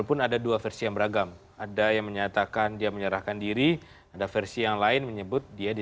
undang undang kpk dipersekusi